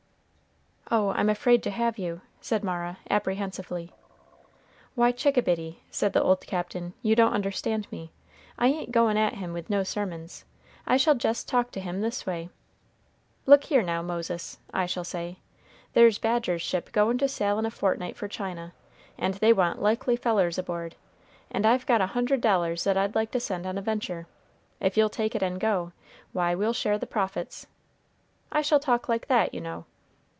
"Oh! I'm afraid to have you," said Mara, apprehensively. "Why, chickabiddy," said the old Captain, "you don't understand me. I ain't goin' at him with no sermons, I shall jest talk to him this way: Look here now, Moses, I shall say, there's Badger's ship goin' to sail in a fortnight for China, and they want likely fellers aboard, and I've got a hundred dollars that I'd like to send on a venture; if you'll take it and go, why, we'll share the profits. I shall talk like that, you know.